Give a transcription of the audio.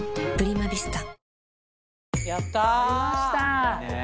やった！